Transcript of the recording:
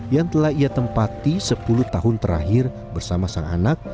yang telah ia tempati sepuluh tahun terakhir bersama sang anak